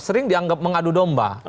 sering dianggap mengadu domba